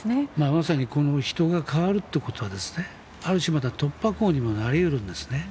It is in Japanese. まさに人が代わるってことはある種、突破口にもなり得るんですね。